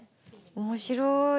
面白い。